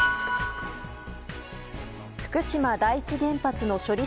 福島第一原発の処理